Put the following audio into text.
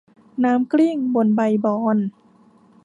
น้ำกลิ้งบนใบบอน